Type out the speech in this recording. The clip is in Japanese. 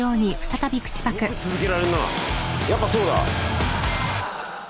やっぱそうだ！